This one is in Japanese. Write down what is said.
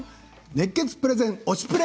熱血プレゼン「推しプレ！」